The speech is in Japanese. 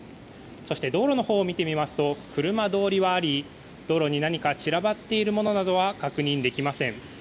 そして、道路のほうを見てみますと車通りはあり、道路に何か散らばっているものなどは確認できません。